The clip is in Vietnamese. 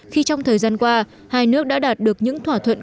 khi trong thời gian qua hai nước đã đạt được những thỏa thuận